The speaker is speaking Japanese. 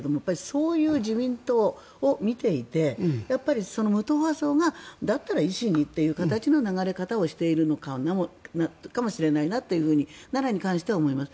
そういう自民党を見ていて無党派層がだったら維新にという形の流れ方をしているかもしれないなと奈良に関しては思います。